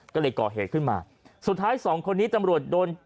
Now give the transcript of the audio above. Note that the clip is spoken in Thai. ก็เลยก่อเหตุขึ้นมาสุดท้ายสองคนนี้ตำรวจโดน